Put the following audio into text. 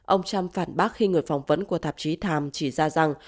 ông trump phản bác khi người phỏng vấn của thạp chí tham chỉ ra rằng